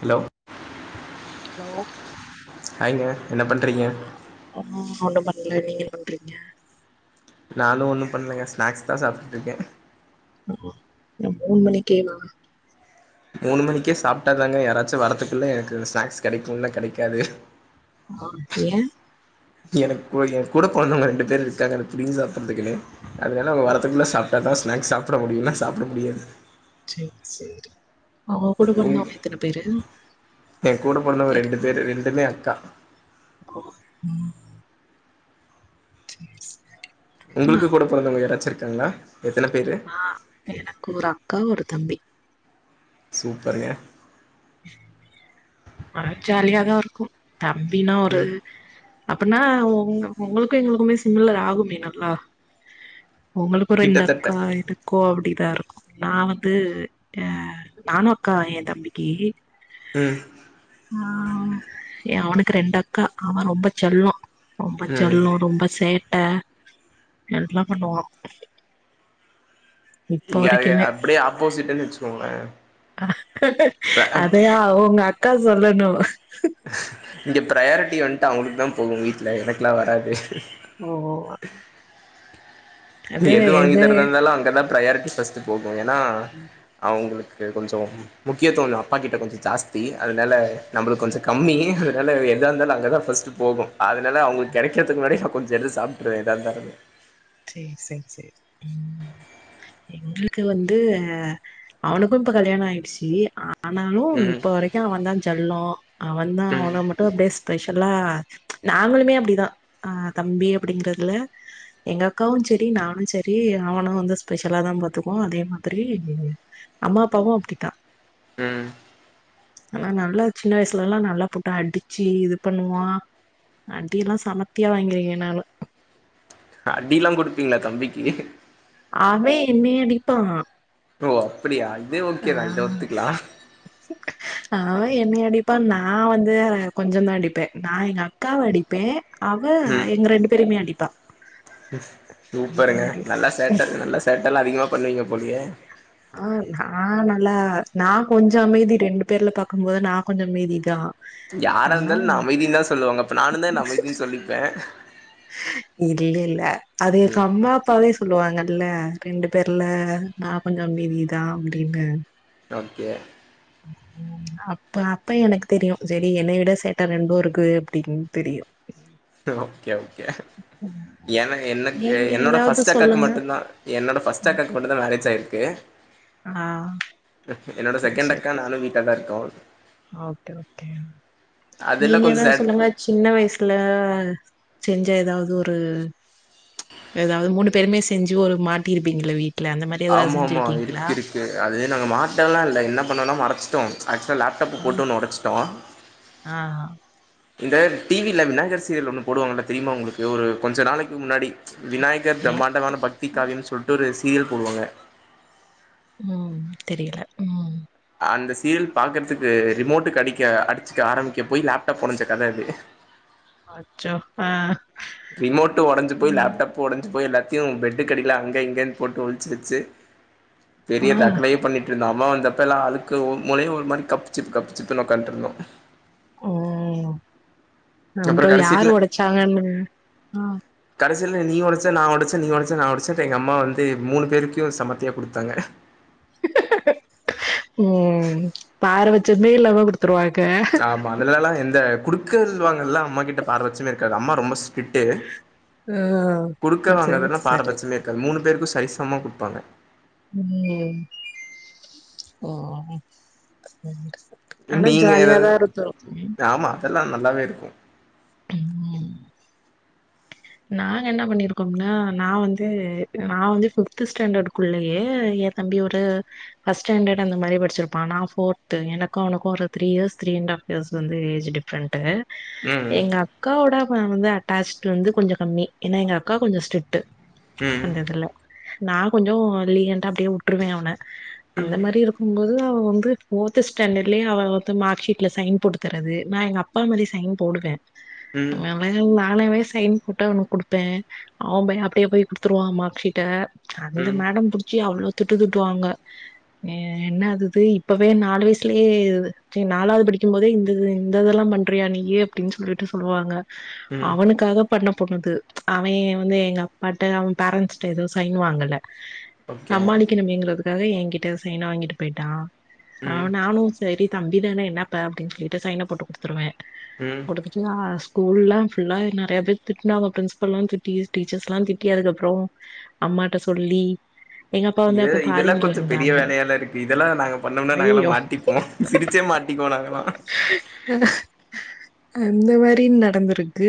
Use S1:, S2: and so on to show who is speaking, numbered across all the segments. S1: Hello
S2: hello
S1: ஹாய்ங்க என்ன பண்றீங்க
S2: அம்மா ஒண்ணு பண்ல நீங்க என் பண்றீங்கே
S1: நானு ஒண்ணு பண்ணுலெங்க ஸ்நாக்ஸ் தா சாப்ட்டு இருக்கே
S2: ஒ இந்த மூண் மணிக்கே வா
S1: மூணு மணிக்கே சாப்ட்டாதாங்க யாராச்சு வரதுக்குள்ள எனக்கு ஸ்நாக்ஸ் கெடைக்கு இல்ல கெடைக்காது
S2: ஆ ஏ
S1: எனக்கு ஏ கூட பொறந்தவங்க ரெண்டு பேரு இருக்காங்க புடிங்கி சாப்டுறதுக்னே அனால அவுங்க வரத்துக்குள்ள சாப்ட்டாதா ஸ்நாக்ஸ் சாப்ட முடியு இல்லன்னா சாப்ட முடியாது
S2: சேரி சேரி ஆ உவுங்க கூட பொறந்தவங்க எத்தன பேரு
S1: ஏ கூட பொறந்தவங்க ரெண்டு பேரு ரெண்டுமே அக்கா
S2: ஓ ம் [inaudible]
S1: உங்குளுக்கு கூட பொறந்தவங்க யாராச்சும் இருக்காங்ளா எத்தன பேரு
S2: ஆ எனக்கு ஒரு அக்கா ஒரு தம்பி
S1: சூப்பர்ங்க
S2: ஜாலியாதா இருக்கு தம்பினா ஒரு
S1: ம்
S2: அப்பன்னா உ உங்களுக்கு எங்களுக்குமே சிம்மலர் ஆகும்மே நல்லா உங்களுக்கு
S1: கிட்டத்தட்ட
S2: ரெண்டக்கா எனக் க்கோ அப்டிதா இருக்கு நா வந்து அஹ நானு அக்கா என் தம்பிக்கு
S1: ம்
S2: ஆஹ் எ அவனுக்கு ரெண்டு அக்கா அவன் ரொம்ப செல்லோ ரொம்ப
S1: ம்
S2: சொல்லோ ரொம்ப சேட் ட எல்லாம் பண்ணுவா இப்போ
S1: இங்கே
S2: வரைக்குமே
S1: அப்படியே ஆப்போசிட்டுன்னு வச்சுக்கோங்களேன்
S2: ஏ அவுங்கக்கா சொல்லணு
S1: இங்க ப்ரயாரிட்டி வந்ட்டு அவங்களுக்கு தா போகு வீட்ல எனக்கெல்லா வராது
S2: ஓ
S1: எது வாங்கி தரதா இருந்தாலு அங்க தா ப்ரயாரிட்டி ஃபர்ஸ்ட்டு போகு ஏனா அவங்களுக்கு கொஞ்சோ முக்கியத்துவம் அப்பா கிட்ட கொஞ்சம் ஜாஸ்தி அதனால நம்மளுக்கு கொஞ்சம் கம்மி அதனால எதா இருந்தாலு அங்கதா பஸ்ட்டு போகும் அதனால அவங்களுக்கு கெடைக்கிறதுக்கு முன்னாடி நா கொஞ்சம் எத்து சாப்ட்டுருவே எதாந்தாலு
S2: சேர் செர் செரி ம் எங்களுக்கு வந்து அவனுக்கு இப்ப கல்யாணம் ஆயிடுச்சு ஆனாலு
S1: ம்
S2: இப்ப வரைக்கு அவன் தா செல்லோ அவன் தா
S1: ம்
S2: அவன மட் அப்டியே ஸ்பெஷலா நாங்களுமே அப்டிதா அஹ் தம்பி அப்டிங்கறதுல எங்க அக்காவும் செரி நானு செரி அவன வந்து ஸ்பெஷலா தா பாத்துக்குவோ அதே மாதிரி அம்மா அப்பாவும் அப்டிதா
S1: ம்
S2: ஆனா நல்லா சின்ன வயசுல எல்லா நல்லா போட்டு அடிச்சி இது பண்ணுவா அடுயெல்லா செமத்தியா வாங்கிருங்க இவனால
S1: அடில்லா குடுப்பீங்ளா தம்பிக்கி
S2: அவவே என்னைய அடிப்பா
S1: ஓ அப்டியா இதே
S2: ஆ
S1: ஓகேதா இத ஒத்துக்லா
S2: [unintelligible] அவ என்னய அடிப்பா நா வந்து கொஞ்சம் தா அடிப்பே நா எங்க அக்காவ அடிப்பே அவ
S1: ம்
S2: எங்க ரெண்டு பேருமே அடிப்பா அந்த
S1: சூப்பருங்க
S2: மாரி இருக்கு
S1: நல்லா சேட்ட நல்லா சேட்ட எல்லா அதிகமா பண்ணுவீங்க போலியே
S2: ஆஹ் ஆஹ் நல்லா நா கொஞ்ச அமைதி ரெண்டு பேர்ல பாக்கும் போது நா கொஞ்சம் அமைதிதா ஆனா
S1: யாராருந்தாலு நா அமைதின் தா சொல்லுவாங்க அப்ப நானுந்தா என்ன அமைதின்னு சொல்லிப்பே
S2: இல்ல இல்ல அது
S1: ம்
S2: எங்கம்மா அப்பாவே சொல்லுவாங்கல்ல ரெண்டு பேர்ல நா கொஞ்சம் அமைதிதா அப்டின்னு
S1: ஓகே ! ! ! ! !
S2: அப்ப அப்ப எனக்கு தெரியு சேரி என்னை விட சேட்ட ரெண்டு இருக்கு அப்டின்னு தெரியு
S1: ஓகே ஓகே எனக் எனக்கு
S2: நீங்க
S1: என்னோட
S2: ஏதாவது
S1: ஃபஸ்டக்காக்கு
S2: சொல்லுங்க.
S1: மட்டு தா என்னோட ஃபர்ஸ்ட் அக்காக்கு மட்டு தா மேரேஜ் ஆயிருக்கு
S2: ஆ
S1: என்னோட செகண்ட் அக்கா நானும் வீட்ல தா இருக்கோ
S2: அ ஓகே ஓகே
S1: அதெல்லா
S2: நீங்க
S1: கொஞ்சோ
S2: ஏதாவது
S1: சேட்
S2: சொல்லுங்க சின்ன வயசுல செஞ்ச எதாவது ஒரு ஏதாவது மூணு பேருமே செஞ்சு ஒரு மாட்டி இருப்பீங்ள வீட்ல அந்த மாரி ஏதாவது செஞ்சுருக்கீங்களா
S1: ஓகே அது நாங்க மாட்டோலா இல்ல என்ன பண்ணோன்னா மறைச்சிட்டோ ஆக்சுவலா லேப்டாப்
S2: ம்.
S1: போட்டு ஒன்னு உடச்சிட்டோ
S2: ஆ ஆ
S1: இந்த டிவில விநாயகர் சீரியல் ஒன்று போடுவாங்களா தெரியுமா உங்களுக்கு ஒரு கொஞ்சம் நாளைக்கு முன்னாடி விநாயகர்
S2: இல்ல.
S1: பிரம்மாண்டமான பக்தி காவியம் சொல்லிட்டு ஒரு சீரியல் போடுவாங்க
S2: உம் தெரியல ம்.
S1: அந்த சீரியல் பாக்குறதுக்கு ரிமோட்டுக்கு அடிக்க அடிச்சுக்க ஆரம்பிக்க போய் லேப்டாப் உடஞ்ச கத அது
S2: அச்சோ ஆ
S1: ரிமோட்டு் உடஞ்சு போயி
S2: ம்
S1: லேப்டப்பு உடஞ்சு போய் எல்லாத்தையு பெட்டுக்கடியில அங்க இங்கேனு போட்டு ஒழிச்சு வச்சு
S2: ஆ
S1: பெரிய ரகலயே பண்ணிட்டு எங்க அம்மா வந்தப்பல்லா அதுக்கு ஓமொலே ஒரு மாதிரி கப் சிப்பு கப் சிப்பு உக்காந்ட்டு இருந்தோ
S2: ஓ அப்றோ யாரு உடைச்சாங்கன்னு ஆ
S1: கடைசியில நீ உடைச்ச நா உடச்சே நீ உடைச்சே நான் உடைச்சேன்ட்டு எங்க அம்மா வந்து மூணு பேருக்கு சமத்தியா குடுத்தாங்க
S2: உம் பார பச்சமே இல்லாம குடுத்துருவாங்
S1: ஆமா அதனால எல்லாம் எந்த குடுக்கல் வாங்குரதெல்லா அம்மா கிட்ட பாரபட்சமே இருக்காது அம்மா ரொம்ப ஸ்ட்ரிக்ட்டு
S2: ஆ
S1: குடுக்க
S2: சரி
S1: வாங்கதுன்னா
S2: சரி
S1: பாரபட்சமே இருக்காது மூணு பேருக்கு சரிசமமா குடுப்பாங்க
S2: உம் ஓ சரிங்க சார் ஆனா ஜாலியாதா இருந்தோம்
S1: தெரில நல்லாவே இருக்கு
S2: உம் நாங்க என்ன பண்ணிருக்கோம்னா நா வந்து நா வந்து பிஃப்த் ஸ்டாண்டர்டு் குள்ளயே தம்பியோட ஃபஸ்ட்ஸ்டாண்டர் அந்த மாதிரி படிச்சிருப்பா நா ஃபோர்த்து எனக்கு அவனுக்கு ஒரு த்ரி இயர்ஸ் த்ரிஅண்ட் இயர்ஸ் வ‌ந்து ஏஜ் டிஃப்ரன்ட்
S1: ம்
S2: எங்க அக்காவோட வந்து அவன் அட்டாச் வந்து கொஞ்சோ கம்மி ஏன்னா எங்க அக்கா கொஞ்சோ ஸ்ட்ரிக்ட்
S1: ம்
S2: அந்த இதுல நான் கொஞ்சோ லீகன்டா அப்டியே விட்ருவே அவன அந்த
S1: ம்
S2: மாரி இருக்கு போது அவ வந்து ஃபோர்த் ஸ்டாண்டர்ட்லயே அவ வந்து மார்க் ஷீட்ல சைன் போட்டுதர்றது நா எங்க அப் அப்பா மாரி சைன் போடுவே
S1: உம்
S2: நானவே சைன் போட்டு அவனுக்கு குடுப்பே அவே போய் அப்டியே போய் குடுத்துருவா மார்க்க்ஷீட்ட அந்த
S1: ம்
S2: மேடம் புடிச்சி அவ்ளோ திட்டு திட்டுவாங்க ஏ என்னாது இது இப்பவே நாலு வயசுலயே ச நாலாவது படிக்கும் போதே இந்தது இந்த இதெல்லா பண்றியா நீயி அப்டின்னு சொல்லிட்டு சொல்லுவாங்க
S1: ம்
S2: அவனுக்காக பண்ணப் போணுது அவே வந்து எங்க அப்பாட்ட அவன் பேரண்ட்ஸ்ட்ட ஏதும் சைன் வாங்கல
S1: ஓகே
S2: சமாளிக்கணுமேங்கிறதுக்காக என்கிட்ட சைன வாங்கிட்டு போயிட்டா ஆ
S1: ம்
S2: நானு சரி தம்பி தானே என்னா இப்ப அப்டின்னு சொல்லிட்டு சைன போட்டு குடுத்துருவே
S1: ம்
S2: குடுத்து ல்ல ஸ்கூல்லாம் ஃபுல்லா நெறைய பேர் திட்னா அவ பிரின்ஸ்பல்லா திட்டி டீச்சர்ஸ் எல்லா திட்டி அதுக்கப்புறோ அம்மாட்ட சொல்லி எங்க அப்பா வந்து
S1: ஏ
S2: அப்ப
S1: இதெல்லா
S2: ஃபாரின்ல
S1: கொஞ்சோ பெரிய
S2: இருந்தாங்க
S1: வேலையால்ல இருக்கு இதெல்லா நாங்க பண்ணம்னா நாங்க எல்லா
S2: ஐயயோ
S1: மாட்டிப்போ சிரிச்சே மாட்டிக்வோ நாங்கல்லா.
S2: தத அந்த மாரி நடந்திருக்கு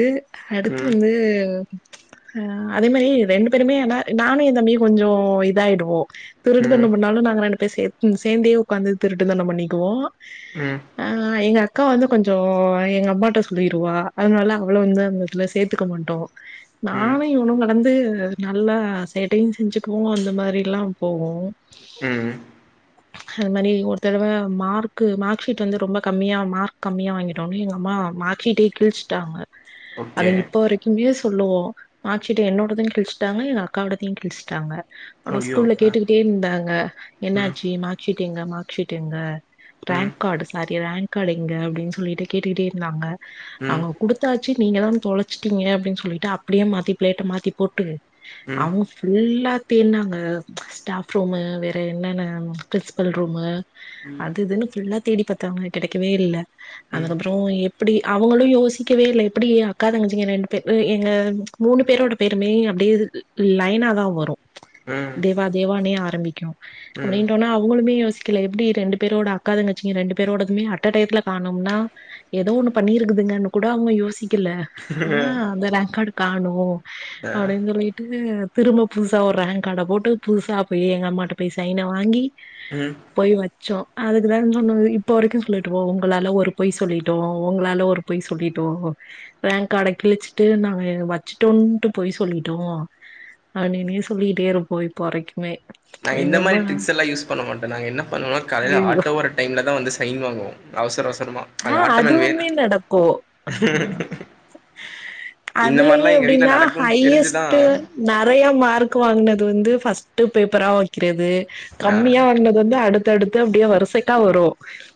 S2: அடுத்து
S1: ம்
S2: வந்து ஆ அதே மாரி ரெண்டு பேருமே ந நானு எந் தம்பியு கொஞ்சோ இதாயிடுவோ.
S1: ம்
S2: திருட்டுத்தணம் பண்ணாலு நாங்க ரெண்டுபேரும் சே சேந்தே உக்காந்து திருட்டுத்தனம் பண்ணிக்குவோ
S1: ம்.
S2: ஆ எங்க அக்கா வந்து கொஞ்சோ எங்க அம்மாட்ட சொல்லிருவா அதனால அவள வந்து அந்த த்ல சேத்துக்க மான்ட்டோ
S1: ம்
S2: நானு இவுனும்ல வந்து நல்லா சேட்டையு செஞ்சுக்குவோ அந்த மாரில்லாம் போவோ.
S1: ம்.
S2: அது மாரி ஒரு தடவ மார்க்கு மார்க் ஷீட்டு வந்து ரொம்போ கம்மியா மார்க் கம்மியா வாங்கிட்டோனு எங்க அம்மா மார் ஷீட்டயே கிழ்ச்சிட்டாங்க அத
S1: ஓகே
S2: இப்ப வரை க்குமே சொல்லுவோ மாக் ஷீட்டு என்னோடதையு கிழ்ச்ட்டாங்க எங்க அக்காவோடதையு கிழ்ச்ட்டாங்க. ஆனா
S1: ஐயோ
S2: ஸ்கூல்ல
S1: அ
S2: கேட்டுகிட்டே இந்தாங்க
S1: ம்
S2: என்னாச்சி மாக் ஷீட்டு எங்க மாக் ஷீட் எங்க
S1: ம்
S2: rank card sorry rank card எங்க அப்டின் சொல்லிட்டு கேட்டுக்கிட்டே இந்தாங்க
S1: ம்
S2: அவுங்க குடு த்தாச்சு நீங்கதா தொலைச்சுட்டீங்க அப்டின் சொல்லிட்டு அப்பிடியே மாத்தி பிளேட்ட மாத்தி போட்டு
S1: ம் ம்
S2: அவுங்க ஃபுல்லா தேட்னாங்க ஸ்டாஃப் ரூமு வேற என்னென்ன பிரின்ஸ்பல் ரூமு
S1: ம்
S2: அது இதுன்னு ஃபுல்லா தேடி பாத்தாங்க கெடைக்கவே இல்ல
S1: ம்
S2: அதுக்கப்புறோ எ ப்டி அவங்களு யோசிக்கவே இல்ல எப்பிடி அ க்கா தங்கச்சிங்க ரெண்டு பே எ எங்க மூணு பேரோட பேருமே அப்டியே ல் ல் லைனாதா வரு.
S1: ம்.
S2: வ தேவானே ஆரம்பிக்கு அப்டின்டொன்னே அவுங்களுமே யோசி க்குல எப்டி ரெண்டு பேரோட அக்கா தங்கச்சிங்க ரெண்டு பேரோடதுமே அட்ட டைத்துல காணோம்னா எதோ ஒன்னு பண்ணிருக்குதுங்கன்னு கூட அவுங்க யோசிக்கல. ஆனா
S1: ம்
S2: அந்த ரேங்க் காடு காணோ அப்டின் சொல்லிட்டு திரும்ப புதுசா ஒரு ரேங்க் காட போட்டு புதுசா போய் எங்க அம்மாட்ட போய் சைன வாங்கி
S1: ம்.
S2: போய் வச்சோ அதுக்குதா சொன்னது இப்ப வரைக்கு சொல்லிட்டுப்போ உங்களால ஒரு பொய் சொல்லிட்டோ உங்ளால ஒரு பொய் சொல்லிட்டோ. ரேங்க்காட கிழிச்சிட்டு நாங்க வச்சிட்டொன்ட்டு பொய் சொல்லிட்டோ. அப்டினே சொல்லிகிட்டே இருப்போ இப்போ வரைக்குமே.
S1: நாங்க இந்த
S2: எங்க
S1: மாரி
S2: அம்மா
S1: ட்ரிக்ஸ் எல்லா யூஸ் பண்ண மாட்டோ நாங்க என்ன பண்ணுவனா காலைல
S2: ஐயையோ
S1: ஆட்டோ வர டைம்ல தா வந்து சைன் வாங்குவோ. அவுசர அவுசரமா
S2: ஆ
S1: அங்க ஆட்ட மேன் வேணு
S2: [unintelligible] நடக்கு.
S1: ஹ
S2: அதுலயு எப்டின்னா
S1: நடக்குன் தெரிஞ்சுதா
S2: ஹையஸ்ட்டு நறையா மார்க் வாங்னது வந்து ஃபஸ்ட்டு பேப்பரா வக்கிறது.
S1: ஆ
S2: கம்மியா வாங்ன து வந்து அடுத்தடுத்து அப்டியே வருசைக்கா வரு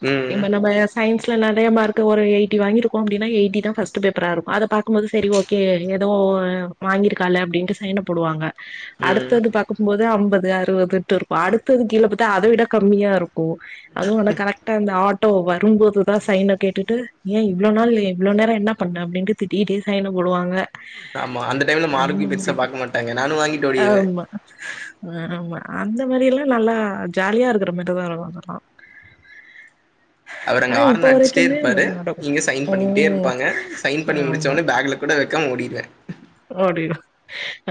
S1: ம்
S2: இப்ப நம்மஸ் சயின்ஸ்ல நறைய மார்க்கு ஒரு எயிட்டி வாங்கிருக்கோ அப்டினா எய்ட்டி தா ஃபஸ்ட்டு பேப் பராருக்கு அத பாக்கும்போது செரி ஓகே எதோ அ வாங்கிருக்கால்ல அப்டின்ட்டு சைன போடுவாங்க.
S1: ம்
S2: அடுத்தது பாக்கும் போது அம்பது அறுவதுன்ட்டுருக்கு அடுத்தது கீழ பாத்தா அத விட கம்மியாரு. கு அதுவு ஆனா கரெக்ட்டா அந்த ஆட்டோ வரும்போதுதா சைன கேட்டுட்டு ஏ இவ்ளோ நாள் எ இவ்ளோ நேர என்ன பண்ண அப்டின்ட்டு திட்டிகிட்டே சைன போடுவாங்க.
S1: ஆமா அந்த டைம்ல
S2: அந்த
S1: மார்க்கியு பெருசா பாக்க மாட்டாங்க நானு வாங்கிட்டு ஓடிருவே.
S2: வ அ. ஆமா அந்த மாரி எல்லா நல்லா ஜாலியா இருக்கற மாரிதா. [unintelligible]
S1: அவரு
S2: ஆ
S1: அங்க
S2: இப்போ
S1: ஹாரன் அடிச்சிட்டே
S2: வரைக்குமே
S1: இருப்பாரு
S2: நடக்கு
S1: இங்க சைன் பண்ணிக்கிட்டே
S2: ம்
S1: இருப்பாங்க சைன் பண்ணி மூடிச்சவொன்னே பேக்ல கூட வெக்காம ஓடிடுவே
S2: அப்டிய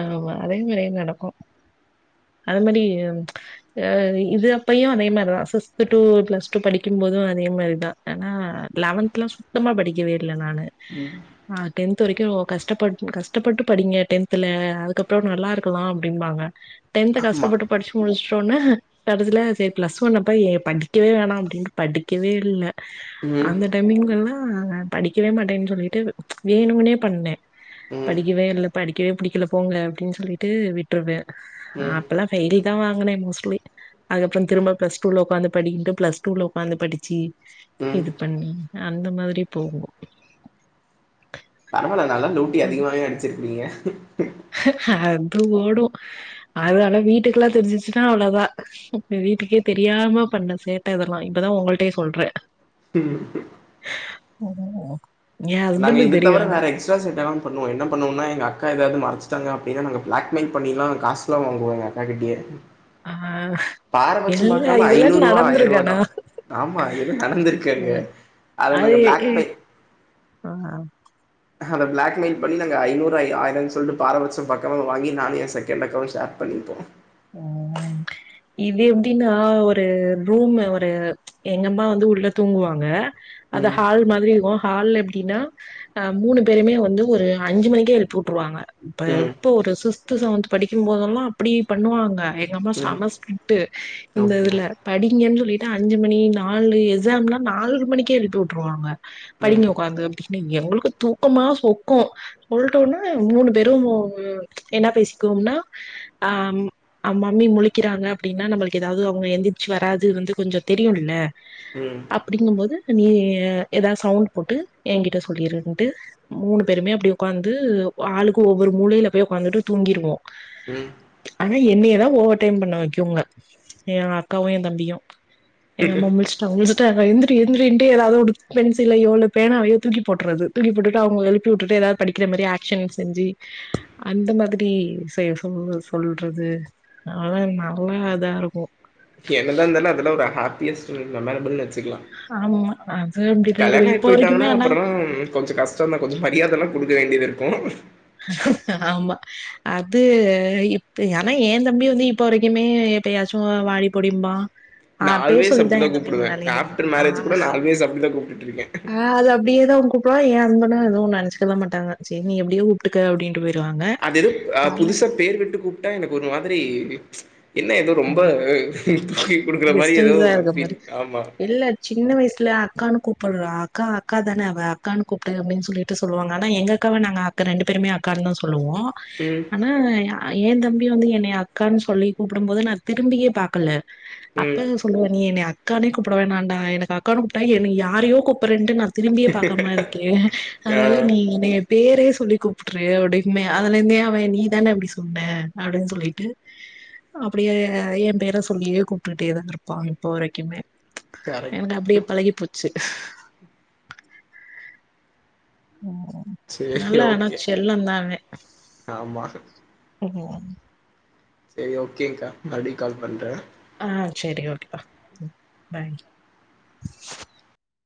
S2: ஆமா அதே நறைய நடக்கு அது மாரி அ இது அப்பயு அதே மாரிதா சிக்ஸ்த் டூ பிளஸ் டூ படிக்கும் போதோ அதே மாரிதா ஆனா லெவன்த்லா சுத்தமா படிக்கவே இல்ல நானு
S1: ம்
S2: ஆ டென்த் வரைக்கு கஷ்டப்பட் கஷ் கஷ்டப்பட்டு படிங்க டென்துல அதுக்கப்றோ நல்லா இருக்கலா அப்டிம்பாக டென்த்
S1: ஆமா
S2: கஷ்டப்பட்டு படிச்சி முடிஷ்டேனா கடைசில சேரி பிளஸ் ஒன்ல போயி படிக்கவே வேணா அப்டின்னு படிக்கவே இல்ல
S1: ம்
S2: அந்த டைமிங் எல்லா படிக்கவே மாட்டேன்னு சொல்லிட்டு வேணும்னே பண்ணே
S1: ம்
S2: படிக்கவே இல்ல படிக்கவே புடிக்கல போங்க அப்டின்னு சொல்லிட்டு விட்டுருவே ஆ
S1: ம்
S2: அப்பெல்லா ஃபெய்லே தா வாங்கினே மோஸ்ட்லி அதுக்கப்றோ திரும்ப பிளஸ் டூல ஒட்காந்து படியினிட்டு பிளஸ் டூல ஒக்காந்து படிச்சி
S1: ம்
S2: இது பண்ணி அந்த மாதிரி போகோ
S1: பரவால்ல நல்லா லூட்டி அதிகமாவே அடிச்சிருக்கிறீங்க
S2: அது ஓடு அதனால வீட்டுக்குல்லா தெரிஞ்சிச்சுன்னா அவ்ளோதா வீட்டுக்கே தெரியாம பண்ண சேட்ட இதெல்லா இப்பதா உங்கள்டையே சொல்றே
S1: சரி ச
S2: எயா ஹஸ்பண்டுக்கு தெரியு ஆனா
S1: அட்ராசிட்டிலா பண்ணுவோ என்னா பண்ணுவோன்னா எங்க அக்க எதாது மறச்சிட்டாங்க அப்டின்னா நாங்க பிளாக் மெயில் பண்ணில்லா காச லாம் வாங்குவோ எங்க அக்கா கிட்டியே
S2: ஆ
S1: பாரபட்சம்
S2: எல்லா
S1: பாக்காம
S2: இதெல்லா
S1: ஐநூறு ரூவா ஆயிர்
S2: நடந்திருக்கு
S1: ரூபா
S2: ஆனா
S1: தா ஆமா எதோ நடந்திருக்கு அங்க
S2: ம்
S1: அது நாங்க பிளாக் மை
S2: அ ஆ
S1: அத பிளாக் மெயில் பண்ணி நாங்க ஐநூறு ஐ ஆயிரோன் சொல்லிட்டு பாரபட்சம் பாக்காம வாங்கி நானு எயா செகண்ட் அக்காவு ஷேர் பண்ணிப்போ
S2: ம் இது எப்டின்னா ஒரு ரூம் ஒரு எங்கம்மா வந்து உள்ள தூங்குவாங்க அது
S1: ம்
S2: ஹால் மாதிரி இருக்கு ஹால்ல எப்டின்னா அ மூணு பேருமே வந்து ஒரு அஞ்சு மணிக்கே எழுப்பிவுட்ருவாங்க இப்ப
S1: ம்
S2: எப்ப ஒரு சிக்ஸ்த் செவன்த் படிக்கும் போதெல்லா அப்புடி பண்ணுவாங்க எங்க அம்மா
S1: ம்
S2: செம ஸ்ட்ரிக்ட்டு இந்த
S1: ஓகே
S2: இதுல படிங்கன்னு சொல்லிட்டு அஞ்சு மணி நாலு எக்ஸாம்லா நால்ற மணிக்கே எழுப்பி உட்டுருவாங்க
S1: ம்
S2: படிங்க ஒக்காந்து அப்டின்னு எங்களுக்கு தூக்கமா சொக்கு உள்டோனா மூணு பேரு என்னா பேசிக்குவோம்னா ஆ ம் அ மம்மி முழிக்கிறாங்க அப்டின்னா நம்மளுக்கு ஏதாது அவுங்க எந்திரிச்சி வராது வந்து கொஞ்சோ தெரியுல்ல
S1: ம்
S2: அப்புடிங்கும் போது நீ ஏதாது சவுண்ட் போட்டு எங்கிட்ட சொல்லிருன்ட்டு மூணு பேருமே அப்டி ஒக்காந்து ஆளுக்கு ஒவ்வொரு மூலயில போய் ஒக்காந்துட்டு தூங்கிருவோ
S1: ம்
S2: ஆனா என்னையதா ஓவர் டைம் பண்ண வெக்குங்க எயா அக்காவு எயா தம்பியு எங்க அம்மா முழிச்சிட்டாங்க முழிச்சிட்டாங்க எந்திரி எந்திரின்டு ஏதாது ஒரு பென்சிலையோ பேனாவையோ தூக்கி போட்டுறது தூக்கி போட்டுட்டு அவுங்கள எழுப்பிவுட்டுட்டு ஏதாது படிக்கிறமாரி ஆக்ஷன் செஞ்சி அந்த மாதிரி செய்ய சொல்லு சொல்றது அதல்லா நல்லா இதா இருக்கு
S1: என்னதா இருந்தாலு அதெல்லா ஒரு ஹப்பியஸட் அன் மெமரபல்னு வெச் துக்குலா
S2: ஆமா அது அப்டிதா
S1: கல்யாண
S2: இருக்கு
S1: ஆயி
S2: இப்போ
S1: போயிட்டாங்கன்னா
S2: வரைக்குமே ஆனா
S1: அப்புறோ கொஞ்ச கஷ் டோதா கொஞ்ச மரியாத எல்லா கொடுக்க வேண்டியது இருக்கு
S2: ஆமா அது இப்ப ஆனா எ தம்பி வந்து இப்ப வரைக்குமே எப்பயாச்சு வாடி போடிம்பா ஆ
S1: நா
S2: பேர்
S1: ஆல்வேஸ்
S2: சொல்லிதா
S1: அப்டிதா
S2: எ தம்பி
S1: கூப்புடுவே
S2: முன்னால இருந்து கூப்புறா
S1: ஆஃப்டர்
S2: ஆ
S1: மேரேஜ் கூட நா ஆல்வேஸ் அப்டிதா கூப்ட்டுட்டு இருக்கே
S2: ஆ அது அப்டியேதா கூப் இப்ப எ ஹஸ்பண்டு ஏதோ ஒன்னு நெனச்சுக்கலா மாட்டாங்க செரி நீ எப்டியோ கூப்ட்டுக்கோ அப்டின்ட்டு போய்றுவாங்க
S1: அது எதோ ஆ புதுசா பேர்விட்டு கூப்ட்டா எனக்கு ஒரு மாதிரி என்ன ஏதோ ரொம்ப [unintelligible] குடுக்குற மாரி ஏதோ
S2: டிஸ்டன்ஸா
S1: ஒரு
S2: இருக்க
S1: ஃபீலு
S2: மாரி
S1: ஆமா
S2: இல்ல சின்ன வயசுல அக்கான்னு கூப்புட்றா அக்கா அக்கா தானே அவ அக்கான்னு கூப்பிடு அப்டின்னு சொல்லிட் ட்டு சொல்லுவாங்க ஆனா எங்க அக்காவ நாங்க அக்கா ரெண்டு பேருமே அக்கானு தா சொல்லுவோ
S1: ம்
S2: ஆனா ஏ தம்பி வந்து என்னைய அக்கான்னு சொல்லி கூப்புடும் போது நா திரும்பியே பாக்கல
S1: ம்
S2: அப்பவே சொல்லுவே நீ என்னைய அக்கானே கூப்புடவேணான்டா எனக்கு அக்கான்னு கூப்டா என்ன யாரையோ கூப்புட்றேன்டு நா திரும்பியே பாக்காம இருக்கே
S1: ஆ
S2: அனால நீ என்னைய பேரே சொல்லி கூப்ட்ரு அப்டின்பே அதுல இருந்தே அவ நீதானே அப்டி சொன்னே அப்டின்னு சொல்லிட்டு அப்டியே எ பேர சொல்லியே கூப் டுட்டே தா இருப்பா இப்போ வரைக்குமே எனக்கு
S1: கரெக்ட்
S2: வந்து அப்டியே பழகி போ ச்சு ஓ நல்ல
S1: சேரி
S2: ஆனா
S1: ஓகே
S2: செல்லந்தா
S1: ஆமா
S2: அவ ஓ
S1: சரி ஓகேக்கா மறுபடியு கால் பண்றே
S2: ஆ சரி ஓகேப்பா ம் பாய்